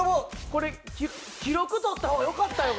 これ記録取った方がよかったよ。